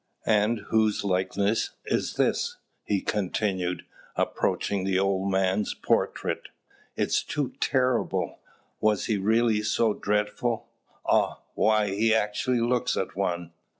"And whose likeness is this?" he continued, approaching the old man's portrait. "It is too terrible. Was he really so dreadful? Ah! why, he actually looks at one!